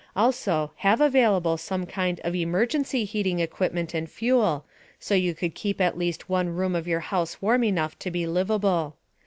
Also, have available some kind of emergency heating equipment and fuel so you could keep at least one room of your house warm enough to be livable.